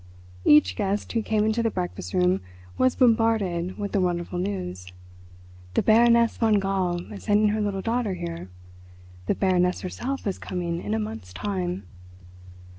Each guest who came into the breakfast room was bombarded with the wonderful news. "The Baroness von Gall is sending her little daughter here; the Baroness herself is coming in a month's time."